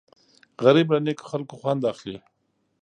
غریب له نیکو خلکو خوند اخلي